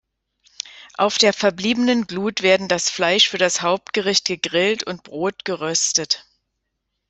Auf der verbliebenen Glut werden das Fleisch für das Hauptgericht gegrillt und Brot geröstet.